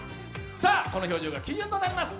この表情が基準となります。